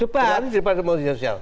berani di depan media sosial